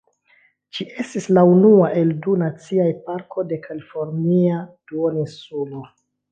Ĝi estis la unua el du naciaj parkoj de Kalifornia Duoninsulo.